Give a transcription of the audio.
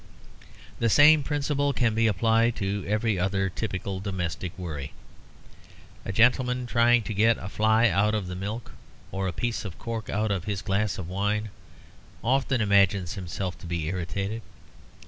The same principle can be applied to every other typical domestic worry. A gentleman trying to get a fly out of the milk or a piece of cork out of his glass of wine often imagines himself to be irritated.